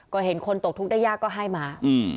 ก็เห็นคนตกทุกข์ได้ยากก็ให้มา